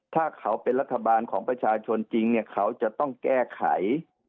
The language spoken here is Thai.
ถ้าเขาเป็นรัฐบาลของประชาชนจริงเนี่ยเขาจะต้องแก้ไข